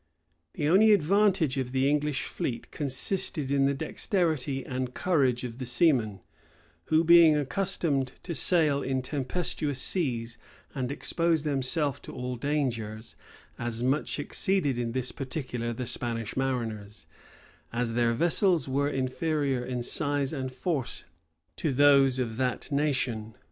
157 The only advantage of the English fleet consisted in the dexterity and courage of the seamen, who, being accustomed to sail in tempestuous seas and expose themselves to all dangers, as much exceeded in this particular the Spanish mariners, as their vessels were inferior in size and force to those of that nation.